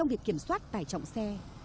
khi kiểm soát tải trọng xe